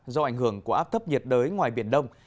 do ảnh hưởng của áp thấp nhiệt đới ngoài biển đông